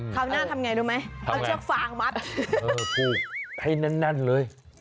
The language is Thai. เข้าหน้าทำอย่างไรรู้ไหมเอาเชือกฟางมัดพูดกลุ่มให้นั่นเลย